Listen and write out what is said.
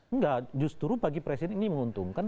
enggak justru bagi presiden ini menguntungkan